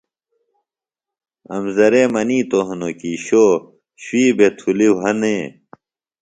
امزرے منِیتوۡ ہنوۡ کیۡ شو شُوی بھےۡ تُھلیۡ وھہ نے